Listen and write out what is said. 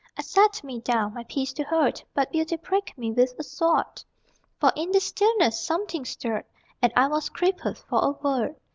I sat me down My Peace to hoard, But Beauty pricked me With a sword. For in the stillness Something stirred, And I was crippled For a word.